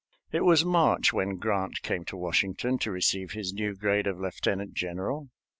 It was March when Grant came to Washington to receive his new grade of lieutenant general.